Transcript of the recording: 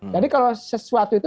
jadi kalau sesuatu itu